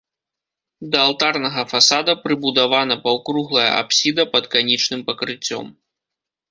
Да алтарнага фасада прыбудавана паўкруглая апсіда пад канічным пакрыццём.